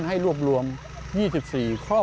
โดยให้ปลูกกระฟื้นปลูกกระฟื้นปลูกกระฟื้นปลูกกระฟื้น